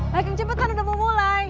baik yang cepat kan udah mau mulai